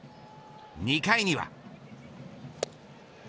２回には。